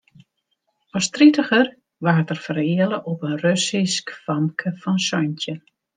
As tritiger waard er fereale op in Russysk famke fan santjin.